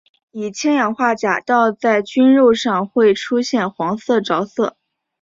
以氢氧化钾倒在菌肉上会出现黄色着色。